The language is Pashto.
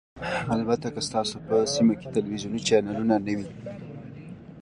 البته که ستاسو په سیمه کې تلویزیوني چینلونه وي